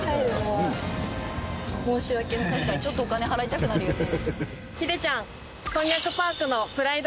確かにちょっとお金払いたくなるよね。